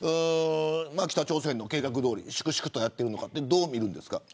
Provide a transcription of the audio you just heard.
北朝鮮の計画どおり粛々とやっているのかどう見るんですか。